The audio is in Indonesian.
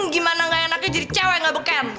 gimana gak enaknya jadi cewek gak beken